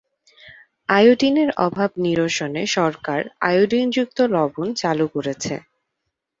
আয়োডিনের অভাব নিরসনে সরকার আয়োডিনযুক্ত লবণ চালু করেছে।